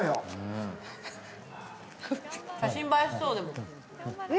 写真映えしそう。